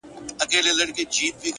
مثبت انسان د هیلو مشعل بل ساتي